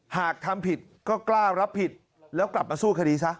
หากทำผิดก็กล้ารับผิดแล้วกลับมาสู้คดีซะ